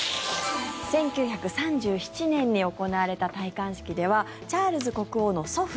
１９３７年に行われた戴冠式ではチャールズ国王の祖父